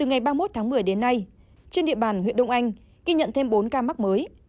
từ ngày ba mươi một tháng một mươi đến nay trên địa bàn huyện đông anh ghi nhận thêm bốn ca mắc mới